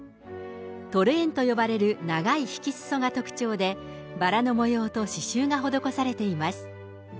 トレーンと呼ばれる長い引きすそが特徴で、バラの模様と刺しゅうが施されています。